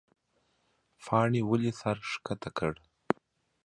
پاڼې ولې سر ښکته کړ؟